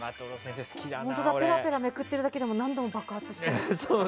ペラペラめくっているだけで何度も爆発してる。